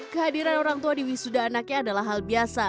kehadiran orang tua di wisuda anaknya adalah hal biasa